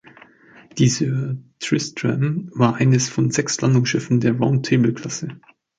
Die "Sir Tristram" war eines von sechs Landungsschiffen der Round-Table-Klasse.